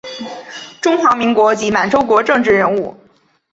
中华民国及满洲国政治人物。